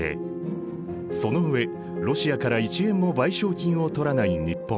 その上ロシアから１円も賠償金を取らない日本。